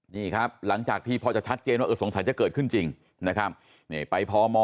นี่ครับหลังจากที่พอจะชัดเจนว่าเออสงสัยจะเกิดขึ้นจริงนะครับนี่ไปพม